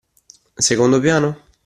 Secondo piano?